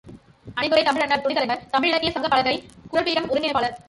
அணிந்துரை தமிழண்ணல் துணைத் தலைவர், தமிழிலக்கியச் சங்கப் பலகைக் குறள்பீடம் ஒருங்கிணைப்பாளர்.